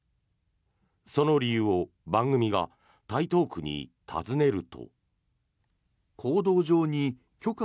その理由を番組が台東区に尋ねると。